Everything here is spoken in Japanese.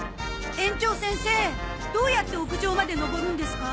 園長先生どうやって屋上まで上るんですか？